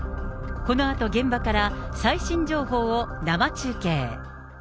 このあと現場から、最新情報を生中継。